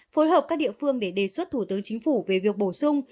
phối hợp các địa phương để đề xuất thủ tướng chính phủ về việc bổ sung